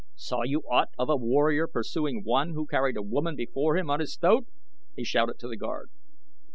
"Saw you aught of a warrior pursuing one who carried a woman before him on his thoat?" he shouted to the guard.